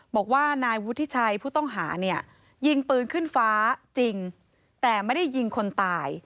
บอกว่านายวุฒิชัยผู้ต้องหาเนี่ยยิงปืนขึ้นฟ้าจริงแต่ไม่ได้ยิงคนตาย